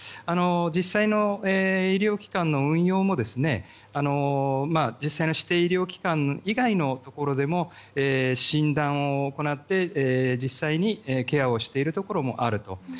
実際の医療機関の運用も実際の指定医療機関以外のところでも診断を行って実際にケアをしているところもあると。